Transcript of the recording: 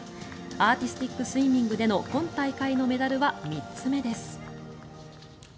アーティスティックスイミングでの今大会のメダルは３つ目です。